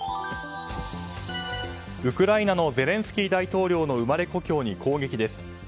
ウクライナのゼレンスキー大統領の生まれ故郷に攻撃です。